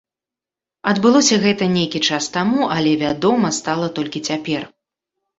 Адбылося гэта нейкі час таму, але вядома стала толькі цяпер.